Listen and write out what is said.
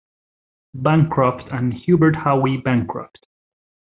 Bancroft and Hubert Howe Bancroft.